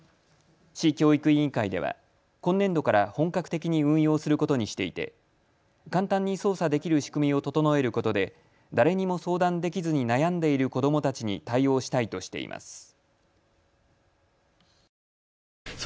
市教育委員会では今年度から本格的に運用することにしていて簡単に操作できる仕組みを整えることで誰にも相談できずに悩んでいる子どもたちに対応したいとしています。